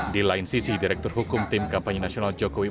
di lain sisi direktur hukum tim kampanye nasional jokowi